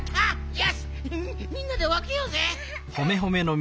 よしみんなでわけようぜ。